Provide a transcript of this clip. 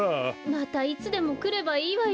またいつでもくればいいわよ。